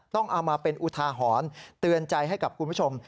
ต้องเอามาเป็นอุทาหรณ์เตือนใจให้กับคุณผู้ชม